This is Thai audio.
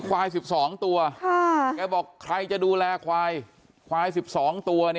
ควายสิบสองตัวค่ะแกบอกใครจะดูแลควายควายสิบสองตัวเป็น